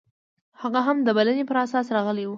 هغه هم د بلنې پر اساس راغلی و.